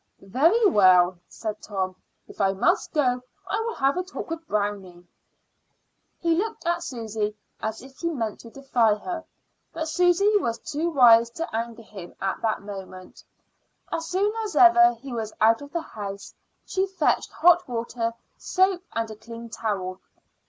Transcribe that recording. "Very well," said Tom; "if I must go I will have a talk with Brownie." He looked at Susy as if he meant to defy her, but Susy was too wise to anger him at that moment. As soon as ever he was out of the house she fetched hot water, soap and a clean towel.